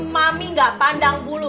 mami gak pandang bulu